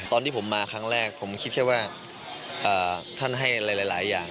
ตอนที่ผมมาครั้งแรกผมคิดแค่ว่าท่านให้อะไรหลายอย่าง